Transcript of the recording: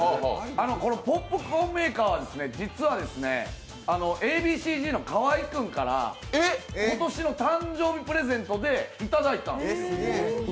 ポップコーンメーカーは、実はＡ．Ｂ．Ｃ−Ｚの河合君から今年の誕生日プレゼントでいただいたんです。